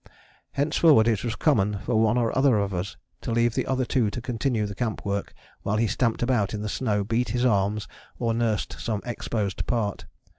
Henceforward it was common for one or other of us to leave the other two to continue the camp work while he stamped about in the snow, beat his arms, or nursed some exposed part.